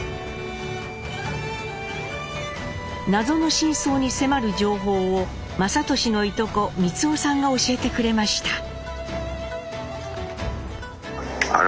謎の真相に迫る情報を雅俊のいとこ三雄さんが教えてくれました。